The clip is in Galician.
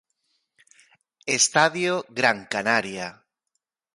Estadio Gran Canaria.